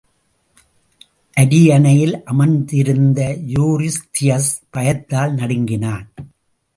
அரியணையில் அமர்ந்திருந்த யூரிஸ்தியஸ் பயத்தால் நடுங்கினான்.